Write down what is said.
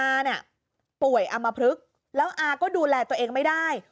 อาเนี่ยป่วยอำมพลึกแล้วอาก็ดูแลตัวเองไม่ได้